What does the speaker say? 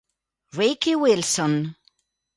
Ricky Wilson